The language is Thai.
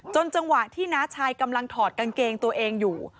จังหวะที่น้าชายกำลังถอดกางเกงตัวเองอยู่